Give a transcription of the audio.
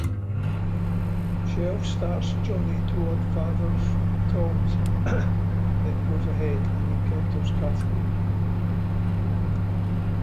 Shell starts Johnny toward Father Tom's, then goes ahead and encounters Kathleen.